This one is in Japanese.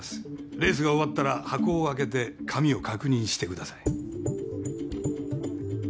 レースが終わったら箱を開けて紙を確認してください。